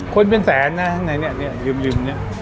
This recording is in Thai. คนเป็นแสนนะข้างในเนี่ยยืมเนี่ย